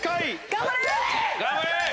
頑張れ！